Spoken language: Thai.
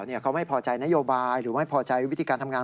เขาไม่พอใจนโยบายหรือไม่พอใจวิธีการทำงาน